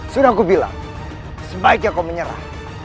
sudah aku bilang sebaiknya kau menyerah